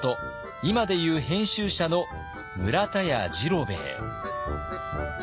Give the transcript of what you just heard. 今でいう編集者の村田屋治郎兵衛。